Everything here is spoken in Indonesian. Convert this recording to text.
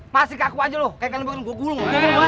masih ke aku aja lo kayak kalian berdua gue gulung